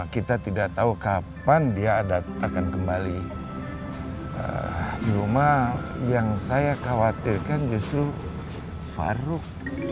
kita tidak tahu kapan dia ada akan kembali cuma yang saya khawatirkan justru farouk